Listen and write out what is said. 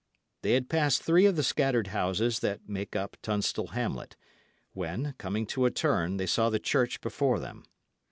They had passed three of the scattered houses that make up Tunstall hamlet, when, coming to a turn, they saw the church before them.